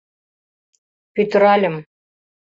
Пӱтыральым.